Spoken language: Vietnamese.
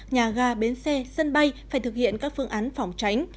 nhà ga bến xe sân bay phải thực hiện các phương án phòng tránh